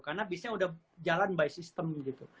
karena bisnya udah jalan by system gitu